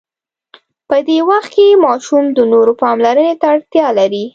په دې وخت کې ماشوم د نورو پاملرنې ته اړتیا لري.